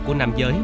của nam giới